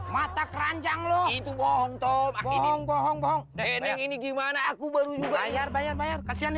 mata keranjang loh itu bontom ini bohong bohong dening ini gimana aku baru bayar bayar bayar kasihan